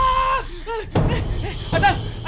semuanya tenang ya